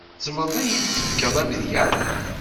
Tzemreḍ ad yi-d-tefkeḍ amedya?